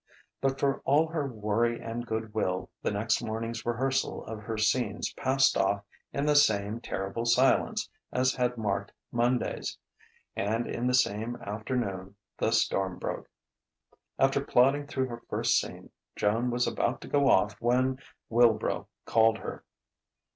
But for all her worry and good will, the next morning's rehearsal of her scenes passed off in the same terrible silence as had marked Monday's. And in the same afternoon the storm broke. After plodding through her first scene, Joan was about to go off when Wilbrow called her.